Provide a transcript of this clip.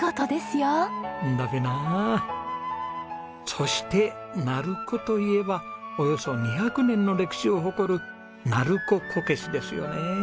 そして鳴子といえばおよそ２００年の歴史を誇る鳴子こけしですよね。